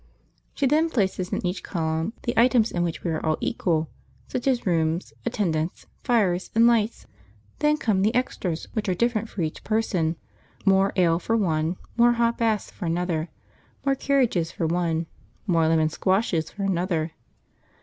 She then places in each column the items in which we are all equal, such as rooms, attendance, fires, and lights. Then come the extras, which are different for each person: more ale for one, more hot baths for another; more carriages for one, more lemon squashes for another.